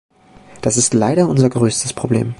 Das ist leider unser größtes Problem.